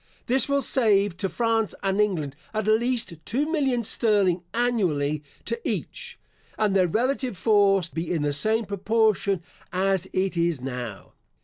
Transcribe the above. This will save to France and England, at least two millions sterling annually to each, and their relative force be in the same proportion as it is now.